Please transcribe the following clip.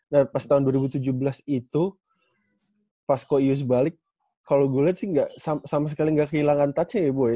dan pas tahun dua ribu tujuh belas itu pas ko yus balik kalo gue liat sih sama sekali gak kehilangan touchnya ya gue